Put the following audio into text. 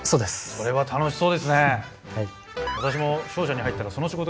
それは楽しそうですね。